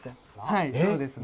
はいそうですね。